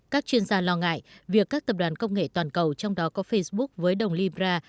các chuyên gia lo ngại việc các tập đoàn công nghệ toàn cầu trong đó có facebook với đồng libra